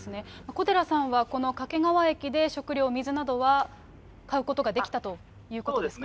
小寺さんはこの掛川駅で食料、水などは買うことができたということですか？